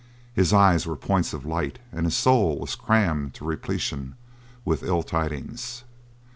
His eyes were points of light and his soul was crammed to repletion with ill tidings.